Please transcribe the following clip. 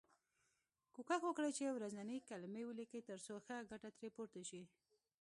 کوښښ وکړی چې ورځنۍ کلمې ولیکی تر څو ښه ګټه ترې پورته شی.